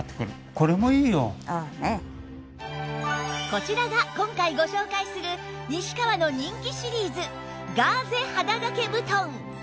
こちらが今回ご紹介する西川の人気シリーズガーゼ肌掛け布団